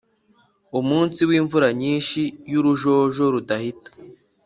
umunsi wimvura nyinshi yurujojo rudahita